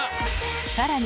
さらに